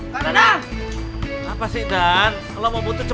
bisa dimasukkan kemana saja